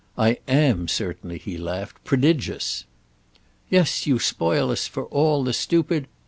"I am, certainly," he laughed, "prodigious." "Yes, you spoil us for all the stupid—!"